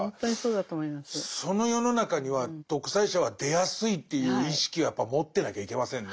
その世の中には独裁者は出やすいという意識はやっぱ持ってなきゃいけませんね。